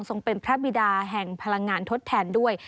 เป็นพระบิดาแห่งพลังงานทดแทนด้วย